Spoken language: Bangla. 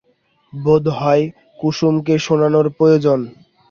বোধ হয় কুসুমকে শোনানোর জন্য।